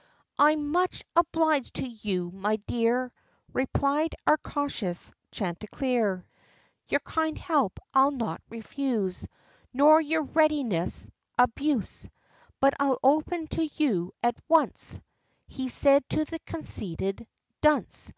OF CHANTICLEER. 65 "I'm much obliged to you, my dear," Replied our cautious Chanticleer; "Your kind help I'll not refuse, Nor your readiness abuse; But I'll open to you at once," He said to the conceited dunce.